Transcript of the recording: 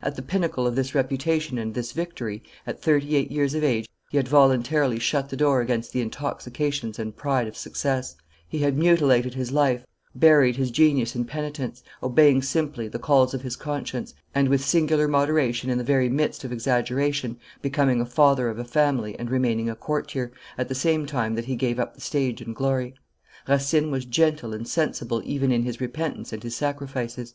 At the pinnacle of this reputation and this victory, at thirty eight years of age, he had voluntarily shut the door against the intoxications and pride of success; he had mutilated his life, buried his genius in penitence, obeying simply the calls of his conscience, and, with singular moderation in the very midst of exaggeration, becoming a father of a family and remaining a courtier, at the same time that he gave up the stage and glory. Racine was gentle and sensible even in his repentance and his sacrifices.